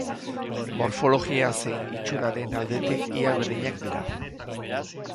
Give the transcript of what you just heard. Morfologia zein itxuraren aldetik ia berdinak dira.